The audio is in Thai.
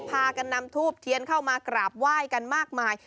พากันนำทูบเทียนเข้ามากราบไหว้กันมากมาย